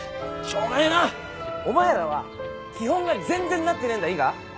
お前らは基本が全然なってねえんだいいか？